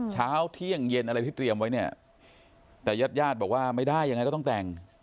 เช้าเที่ยงเย็นอะไรที่เตรียมไว้เนี่ยแต่ญาติญาติบอกว่าไม่ได้ยังไงก็ต้องแต่ง